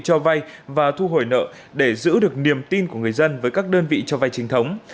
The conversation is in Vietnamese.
cho vay và thu hồi nợ để giữ được niềm tin của người dân với các đơn vị cho vay chính thống